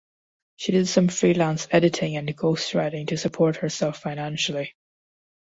She did some freelance editing and ghostwriting to support herself financially.